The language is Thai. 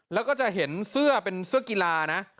แล้วก็จะเห็นเสื้อเป็นเสื้อกีฬานะ